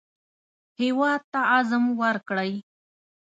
هېواد ته عزم ورکړئ